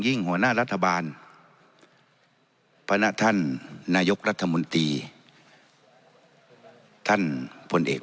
หัวหน้ารัฐบาลพนักท่านนายกรัฐมนตรีท่านพลเอก